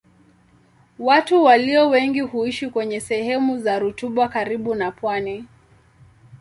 Watu walio wengi huishi kwenye sehemu za rutuba karibu na pwani.